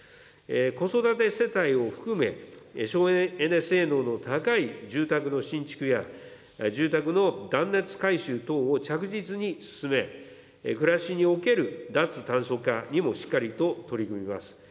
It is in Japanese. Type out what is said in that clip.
子育て世帯を含め、省エネ性能の高い住宅の新築や、住宅の断熱改修等を着実に進め、暮らしにおける脱炭素化にもしっかりと取り組みます。